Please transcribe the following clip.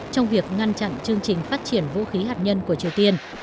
trong việc ngăn chặn chương trình phát triển vũ khí hạt nhân của triều tiên